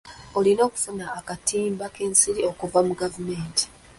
Olina okufuna akatimba k'ensiri okuva mu gavumenti.